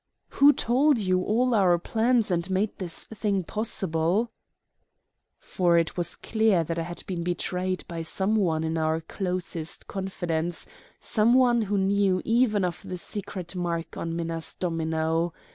"Who told you all our plans and made this thing possible?" For it was clear that I had been betrayed by some one in our closest confidence some one who knew even of the secret mark on Minna's domino.